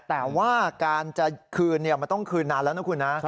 แต่ว่าการจะคืนมันต้องคืนนานแล้วนะคุณนะ